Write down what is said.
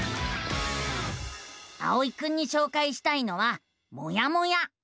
あおいくんにしょうかいしたいのは「もやモ屋」。